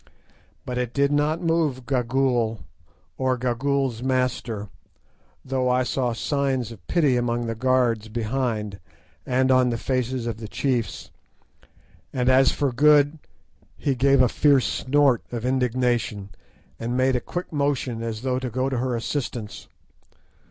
But it did not move Gagool or Gagool's master, though I saw signs of pity among the guards behind, and on the faces of the chiefs; and as for Good, he gave a fierce snort of indignation, and made a motion as though to go to her assistance.